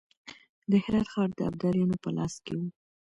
د هرات ښار د ابدالیانو په لاس کې و.